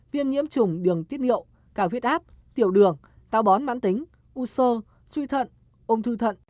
viêm nhiễm trùng đường tiết hiệu càng huyết áp tiểu đường tao bón mãn tính u sơ suy thận ôm thư thận